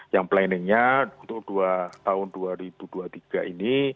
yang planningnya untuk tahun dua ribu dua puluh tiga ini